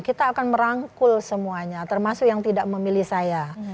kita akan merangkul semuanya termasuk yang tidak memilih saya